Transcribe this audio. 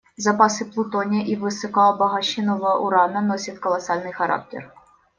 Запасы плутония и высокообогащенного урана носят колоссальный характер.